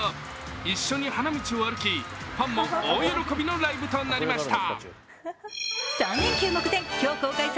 一緒に花道を歩き、ファンも大喜びのライブとなりました。